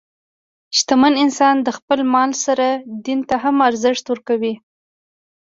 شتمن انسان د خپل مال سره دین ته هم ارزښت ورکوي.